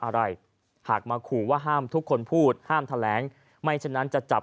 อะไรหากมาขู่ว่าห้ามทุกคนพูดห้ามแถลงไม่ฉะนั้นจะจับ